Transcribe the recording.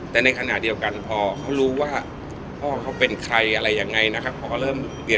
แต่ในขณะเดียวกันพ่อเขารู้ว่าพ่อเขาเป็นใครอะไรยังไงนะครับ